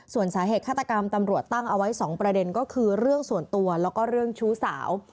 ส่วนสาเหตุฆาตกรรมตำรวจตั้งเอาไว้๒ประเด็นก็คือเรื่องส่วนตัวแล้วก็เรื่องชู้สาว